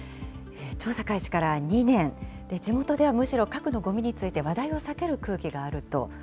調査開始から２年、地元ではむしろ核のごみについて話題を避ける空気があると。